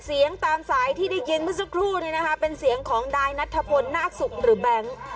เสียงตามสายที่ได้ยินเมื่อสักครู่นี้นะคะเป็นเสียงของนายนัทธพลนาคศุกร์หรือแบงค์